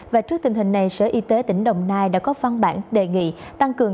và trước tình hình này sở y tế tỉnh đồng nai đã có văn bản đề nghị tăng cường